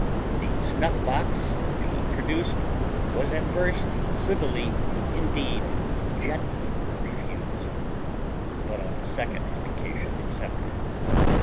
The snuff box, being produced, was at first civilly, and indeed gently, refused; but on a second application accepted.